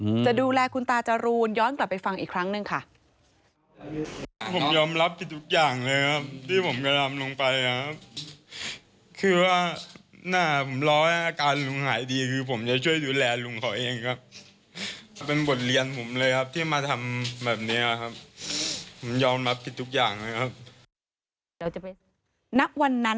จะดูแลคุณตาจรูนย้อนกลับไปฟังอีกครั้งหนึ่งค่ะ